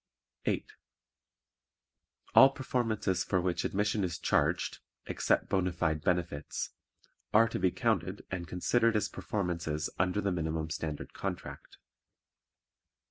8. All performances for which admission is charged (except bona fide benefits) are to be counted and considered as performances under the Minimum Standard Contract.